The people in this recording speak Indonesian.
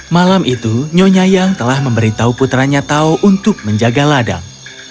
malam itu nyonyai yang telah memberitahu putranya tao untuk menjaga ladang